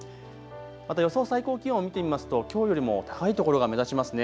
また予想最高気温を見てみますときょうよりも高い所が目立ちますね。